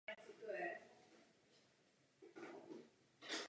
Země, které toho nejsou schopny, musí z eurozóny odejít.